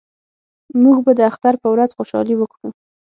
موږ به د اختر په ورځ خوشحالي وکړو